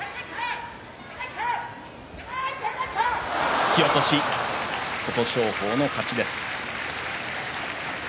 突き落とし琴勝峰の勝ちです。